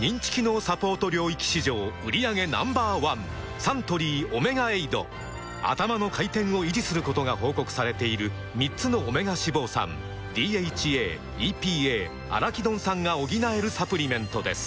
サントリー「オメガエイド」「アタマの回転」を維持することが報告されている３つのオメガ脂肪酸ＤＨＡ・ＥＰＡ・アラキドン酸が補えるサプリメントです